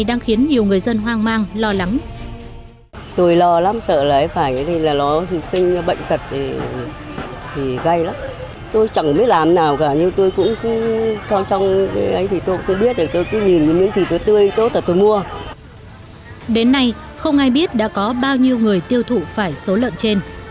đến nay không ai biết đã có bao nhiêu người tiêu thụ phải số lợn trên